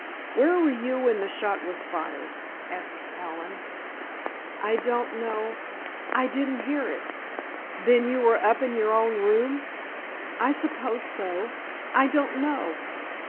"Where were you when the shot was fired?" asked Hallen. "I don't know—I didn't hear it——" "Then you were up in your own room?" "I suppose so—I don't know."